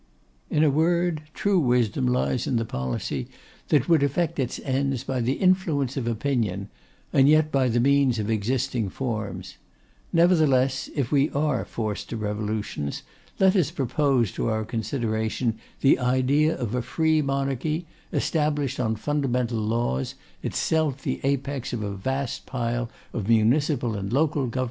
'In a word, true wisdom lies in the policy that would effect its ends by the influence of opinion, and yet by the means of existing forms. Nevertheless, if we are forced to revolutions, let us propose to our consideration the idea of a free monarchy, established on fundamental laws, itself the apex of a vast pile of municipal and local government, ruling an educated people, represented by a free and intellectual press.